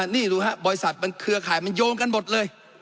นี่ดูฮะบริษัทมันเครือข่ายมันโยงกันหมดเลย